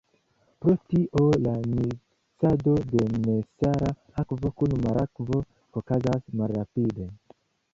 Pro tio la miksado de nesala akvo kun marakvo okazas malrapide.